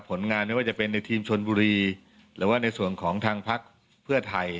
ผลงานไม่ว่าจะเป็นในทีมชนบุรีหรือว่าในส่วนของทางพักเพื่อไทย